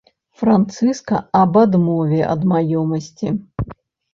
Францыска аб адмове ад маёмасці.